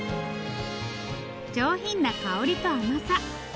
上品な香りと甘さ